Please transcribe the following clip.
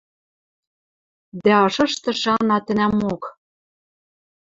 Дӓ ышышты шана тӹнӓмок: